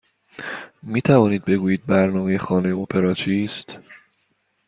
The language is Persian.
می توانید بگویید برنامه خانه اپرا چیست؟